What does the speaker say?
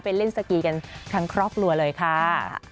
เล่นสกีกันทั้งครอบครัวเลยค่ะ